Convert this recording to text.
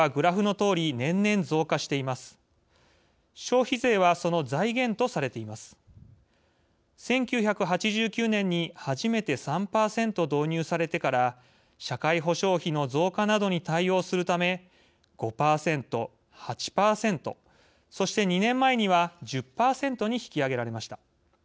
１９８９年に初めて３％導入されてから社会保障費の増加などに対応するため５％、８％そして２年前には１０％に引き上げられました。